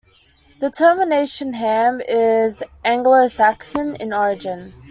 The termination "-ham" is Anglo-Saxon in origin.